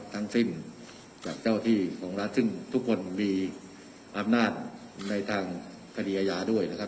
ทั้งสิ้นกับเจ้าที่ของรัฐซึ่งทุกคนมีอำนาจในทางคดีอาญาด้วยนะครับ